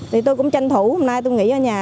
thì tôi cũng tranh thủ hôm nay tôi nghĩ ở nhà